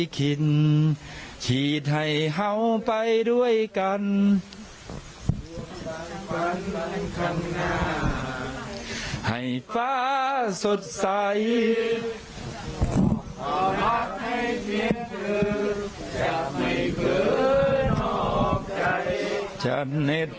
คือจากไม่เกินออกใจจัดหนึดจัดหนุน